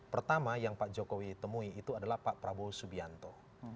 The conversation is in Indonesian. pertama yang pak jokowi temui itu adalah pak prabowo subianto